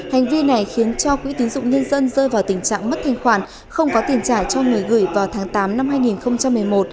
hành vi này khiến cho quỹ tín dụng nhân dân rơi vào tình trạng mất thanh khoản không có tiền trả cho người gửi vào tháng tám năm hai nghìn một mươi một